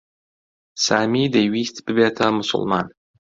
سامی دەیویست ببێتە موسڵمان.